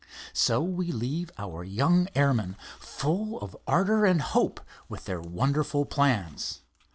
So we leave our young airmen, full of ardor and hope, with their wonderful plans.